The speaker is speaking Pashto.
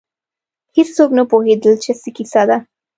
هېڅوک نه پوهېدل چې څه کیسه ده.